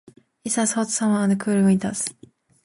It has hot summers and cool winters.